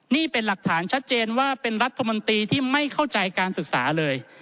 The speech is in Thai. นี่เป็นหลักฐานชัดเจนว่าเป็นรัฐมนตรีที่ไม่เข้าใจการศึกษาเลย